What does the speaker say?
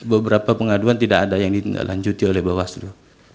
beberapa pengaduan tidak ada yang dilanjuti oleh bawah slu